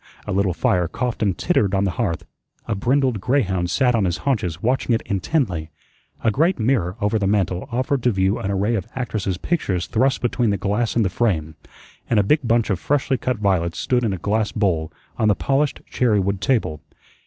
A little fire coughed and tittered on the hearth, a brindled greyhound sat on his haunches watching it intently, a great mirror over the mantle offered to view an array of actresses' pictures thrust between the glass and the frame, and a big bunch of freshly cut violets stood in a glass bowl on the polished cherrywood table.